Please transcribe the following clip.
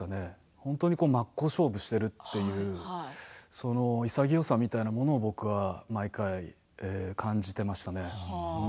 本当に真っ向勝負しているという潔さみたいなものを僕は毎回感じていましたね。